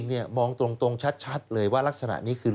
เนี่ยมองตรงชัดเลยว่ารักษณะนี้คือ